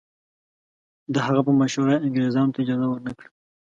د هغه په مشوره یې انګریزانو ته اجازه ورنه کړه.